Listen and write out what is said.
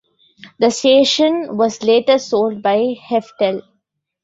The station was later sold by Heftel.